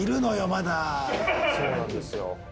まだそうなんですよ